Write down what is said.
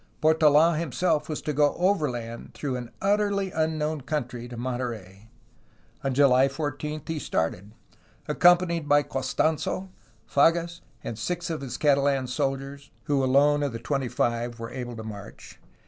Portold himself was to go overland through an utterly un known country to Monterey. On July 14 he started, accom panied by Costans6, Fages and six of his Catalan soldiers (who alone of the twenty five were able to march).